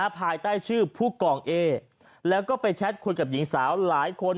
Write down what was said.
ภายใต้ชื่อผู้กองเอแล้วก็ไปแชทคุยกับหญิงสาวหลายคน